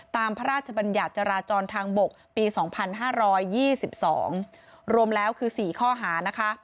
ตามพระราชบัญญาจราจรทางบกปี๒๕๒๒รวมแล้วคือ๔ข้อหา